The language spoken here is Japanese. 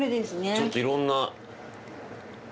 ちょっと色んな。